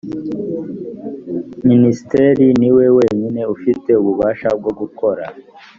minisitiri ni we wenyine ufite ububasha bwo gukora